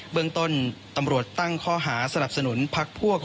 เมืองต้นตำรวจตั้งข้อหาสนับสนุนพักพวก